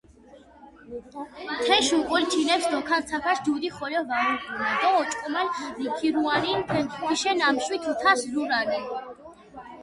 თეშ უკულ თინეფს დოქანცაფაშ დუდი ხოლო ვაუღუნა დო ოჭკომალ მინქირუანინ თიშენ ამშვი თუთას ლურანია.